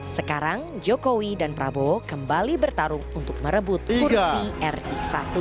sekarang jokowi dan prabowo kembali bertarung untuk merebut kursi ri satu